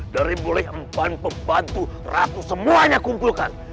dari mulai empan pembantu ratu semuanya kumpulkan